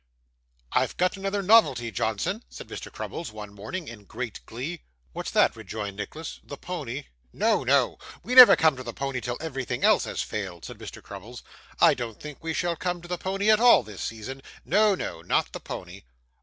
'I've got another novelty, Johnson,' said Mr. Crummles one morning in great glee. 'What's that?' rejoined Nicholas. 'The pony?' 'No, no, we never come to the pony till everything else has failed,' said Mr. Crummles. 'I don't think we shall come to the pony at all, this season. No, no, not the pony.